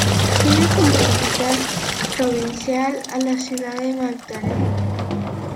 Tiene como capital provincial a la ciudad de Magdalena.